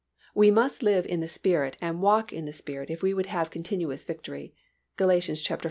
We must live in the Spirit and walk in the Spirit if we would have continuous victory (Gal. v.